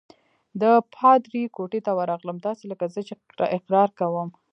د پادري کوټې ته ورغلم، داسې لکه زه چې اقرار کوم.